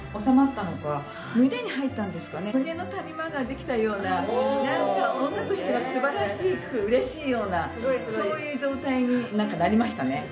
胸の谷間ができたようななんか女としては素晴らしく嬉しいようなそういう状態になんかなりましたね。